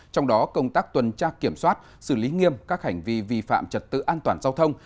trong đó công tác tuần tra kiểm soát xử lý nghiêm các hành vi vi phạm trật tự an toàn giao thông